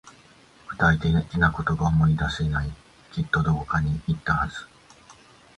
具体的なことが思い出せない。きっとどこかに行ったはず。